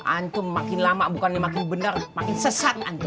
antum makin lama bukan yang makin benar makin sesat antum